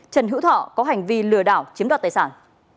trần hữu thọ có hành vi lừa đảo chiếm đoạt tài sản